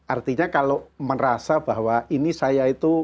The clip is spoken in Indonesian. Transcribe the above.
artinya kalau merasa bahwa ini saya itu